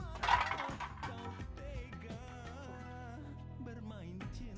ayo tuh gak butuh janji